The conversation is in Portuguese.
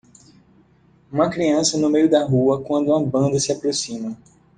Uma criança no meio da rua quando uma banda se aproxima.